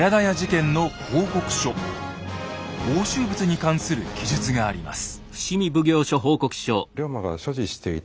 押収物に関する記述があります。